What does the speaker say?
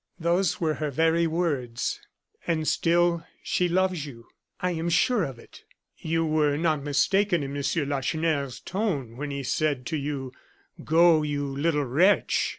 "Those were her very words." "And still she loves you?" "I am sure of it." "You were not mistaken in Monsieur Lacheneur's tone when he said to you: 'Go, you little wretch!